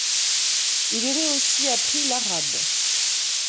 Il aurait aussi appris l'arabe.